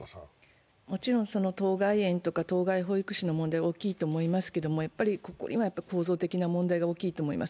もちろん当該園とか当該保育士の問題は大きいと思いますがここには構造的な問題が大きいと思います。